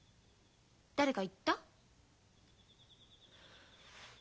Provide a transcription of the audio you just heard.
誰か言った？